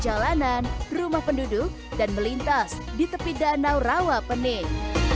jalanan rumah penduduk dan melintas di tepi danau rawapening